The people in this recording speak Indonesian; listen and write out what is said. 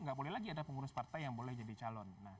nggak boleh lagi ada pengurus partai yang boleh jadi calon